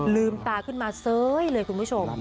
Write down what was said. ลืมตาขึ้นมาเส้ยเลยคุณผู้ชม